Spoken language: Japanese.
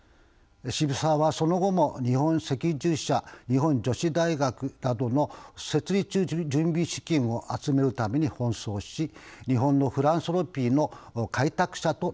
渋沢はその後も日本赤十字社日本女子大学などの設立準備資金を集めるために奔走し日本のフィランソロピーの開拓者となっていきます。